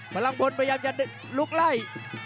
พลังพลพยายามจะลุกไล่